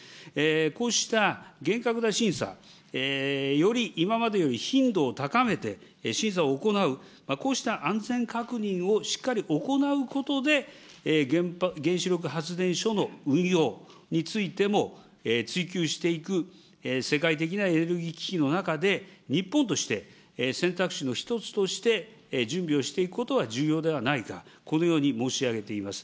こうした厳格な審査、より今までより頻度を高めて、審査を行う、こうした安全確認をしっかり行うことで、原子力発電所の運用についても追求していく、世界的なエネルギー危機の中で、日本として選択肢の１つとして、準備をしていくことが重要ではないか、このように申し上げています。